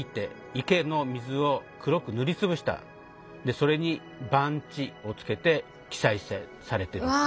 それに番地をつけて記載されてます。